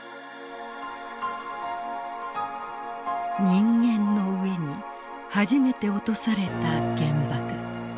人間の上に初めて落とされた原爆。